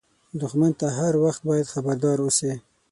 دښمن ته هر وخت باید خبردار اوسې